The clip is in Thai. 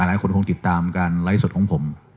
หลายคนคงติดตามการไลฟ์สดของผม